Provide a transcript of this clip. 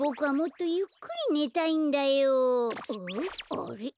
あれ？